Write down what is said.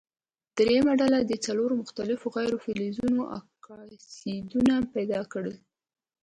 دریمه ډله دې څلور مختلفو غیر فلزونو اکسایدونه پیداکړي.